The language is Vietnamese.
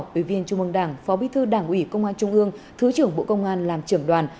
ủy viên trung mông đảng phó bích thư đảng ủy công an trung ương thứ trưởng bộ công an làm trưởng đoàn